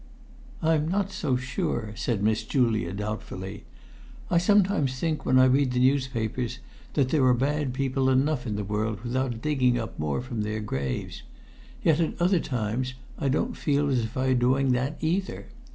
"I'm not so sure," said Miss Julia, doubtfully. "I sometimes think, when I read the newspapers, that there are bad people enough in the world without digging up more from their graves. Yet at other times I don't feel as if I were doing that either.